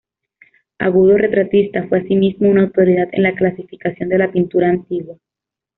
Agudo retratista, fue asimismo una autoridad en la clasificación de la pintura antigua.